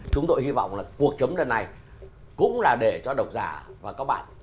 chúng tôi hy vọng là cuộc chấm lần này cũng là để cho độc giả và các bạn